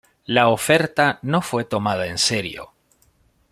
La oferta no fue tomada en serio.